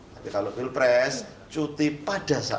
tapi kalau pil pres cuti pada saatnya